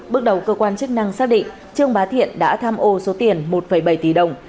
bước đầu cơ quan chức năng xác định trương bá thiện đã tham ô số tiền một bảy tỷ đồng